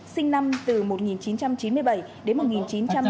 sinh năm từ một nghìn chín trăm chín mươi bảy đến một nghìn chín trăm tám mươi tám